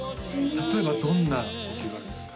例えばどんな呼吸があるんですか？